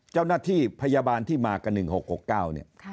เจ้าหน้าที่พยาบาลที่มากับ๑๖๖๙เนี่ย